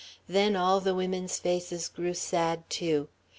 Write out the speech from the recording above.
Then all the women's faces grew sad too.